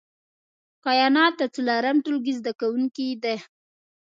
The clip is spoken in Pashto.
کاينات د څلورم ټولګي زده کوونکې ده